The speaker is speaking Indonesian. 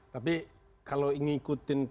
tapi kalau ingin ikutin pengawasan